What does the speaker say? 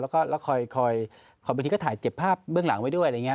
แล้วค่อยบินที่ก็ถ่ายเจ็บภาพเบื้องหลังไว้ด้วย